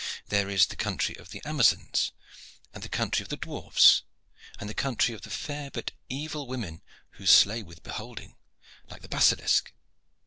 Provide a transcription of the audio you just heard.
There is the country of the Amazons, and the country of the dwarfs, and the country of the fair but evil women who slay with beholding, like the basilisk.